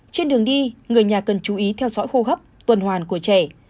trên đường đi người nhà cần chú ý theo dõi khô hấp tuần hoàn của trẻ